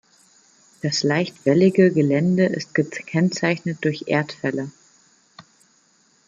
Das leicht wellige Gelände ist gekennzeichnet durch Erdfälle.